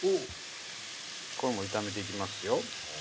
これも炒めていきますよ。